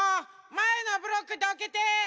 まえのブロックどけて！